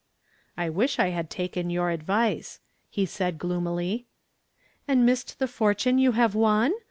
"I wish I had taken your advice," he said gloomily. "And missed the fortune you have won?